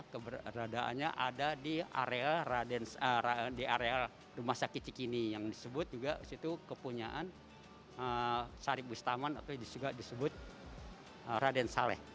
keberadaannya ada di area rumah sakit cikini yang disebut juga kepunyaan syarif bustaman atau juga disebut raden saleh